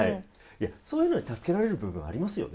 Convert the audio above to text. いや、そういうので助けられる部分、ありますよね。